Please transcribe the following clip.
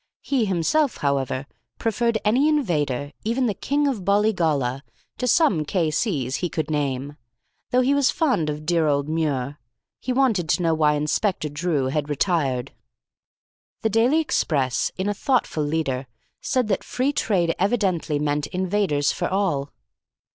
He himself, however, preferred any invader, even the King of Bollygolla, to some K.C.'s he could name, though he was fond of dear old Muir. He wanted to know why Inspector Drew had retired. The Daily Express, in a thoughtful leader, said that Free Trade evidently meant invaders for all.